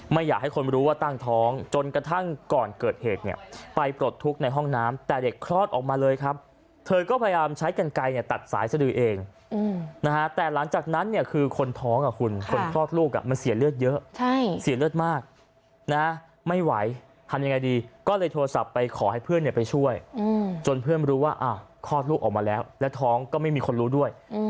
ไม่อยากให้คนรู้ว่าตั้งท้องจนกระทั่งก่อนเกิดเหตุเนี่ย